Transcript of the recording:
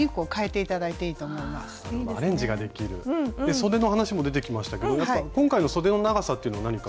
そでの話も出てきましたけど今回のそでの長さというのは何か。